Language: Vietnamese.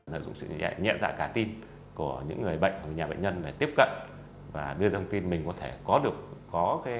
lợi dụng sự nhẹ dạng cả tin của những người bệnh nhà bệnh nhân để tiếp cận và đưa thông tin mình có thể có được